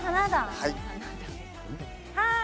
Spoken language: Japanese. はい。